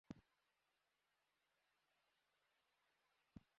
কিন্তু জোয়ারে কপোতাক্ষ নদে দুই থেকে তিন ফুট পানি বেড়ে গেছে।